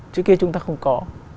trước kia chúng ta không có